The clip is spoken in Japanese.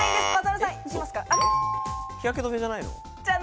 日焼けどめじゃないの？